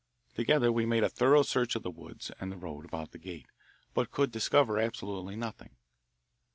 Together we made a thorough search of the woods and the road about the gate, but could discover absolutely nothing.